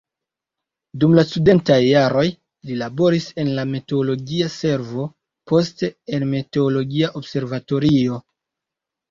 Dum la studentaj jaroj li laboris en la meteologia servo, poste en meteologia observatorio.